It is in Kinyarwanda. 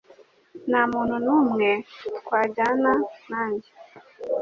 Nta muntu numwe twajyana nanjye